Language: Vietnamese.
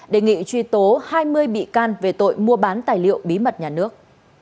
đề nghị truy tố hai mươi bị can về tội mua bán tài liệu bí mật nhà nước